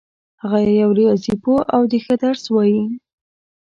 هغه یو ریاضي پوه ده او ښه درس وایي